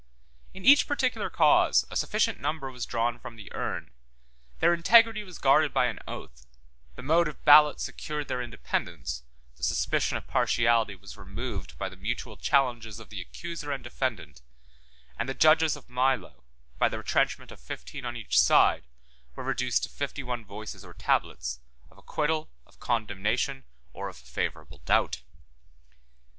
In each particular cause, a sufficient number was drawn from the urn; their integrity was guarded by an oath; the mode of ballot secured their independence; the suspicion of partiality was removed by the mutual challenges of the accuser and defendant; and the judges of Milo, by the retrenchment of fifteen on each side, were reduced to fifty one voices or tablets, of acquittal, of condemnation, or of favorable doubt.